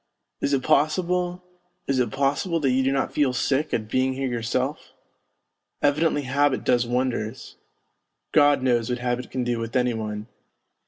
... Is it possible, is it possible that you do not feel sick at being here yourself ? Evidently habit does wonders ! God knows what habit can do with any one.